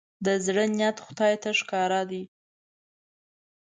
د زړه نيت خدای ته ښکاره دی.